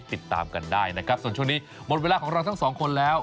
ติดตามกันได้นะครับส่วนช่วงนี้หมดเวลาของเราทั้งสองคนแล้ว